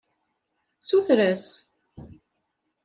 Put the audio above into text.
Ssuter-as.